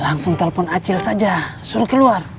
langsung telpon acil saja suruh keluar